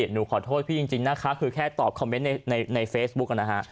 หนูขอโทษพี่จริงนะคะคือแค่ตอบคอมเมนต์ในเฟซบุ๊กนะฮะ